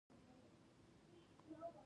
او هغه ته د عمل کولو اجازه ورنکړو.